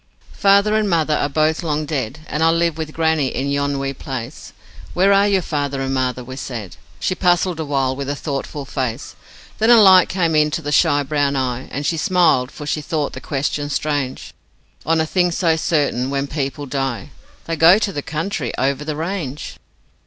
'Father and mother are both long dead, And I live with granny in yon wee place.' 'Where are your father and mother?' we said. She puzzled awhile with thoughtful face, Then a light came into the shy brown eye, And she smiled, for she thought the question strange On a thing so certain 'When people die They go to the country over the range.'